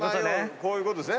こういうことですね。